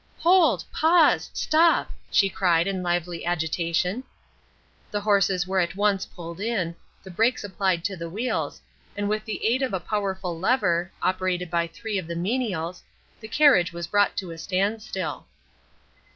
"Hold! pause! stop!" she cried, in lively agitation. The horses were at once pulled in, the brakes applied to the wheels, and with the aid of a powerful lever, operated by three of the menials, the carriage was brought to a standstill.